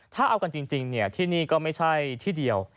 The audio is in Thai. ถ้าเอากันจริงที่นี่ก็ไม่ใช่ที่เดียว